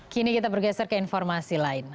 kini kita bergeser ke informasi lain